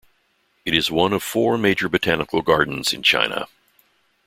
It is one of four major botanical gardens in China.